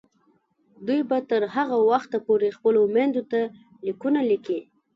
دوی به تر هغه وخته پورې خپلو میندو ته لیکونه لیکي.